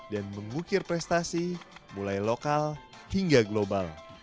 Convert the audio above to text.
dan mengukir prestasi mulai lokal hingga global